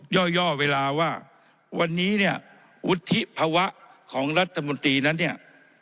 ย่อเวลาว่าวันนี้เนี่ยวุฒิภาวะของรัฐมนตรีนั้นเนี่ย